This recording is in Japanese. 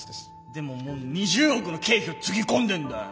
でももう２０億の経費をつぎ込んでんだよ。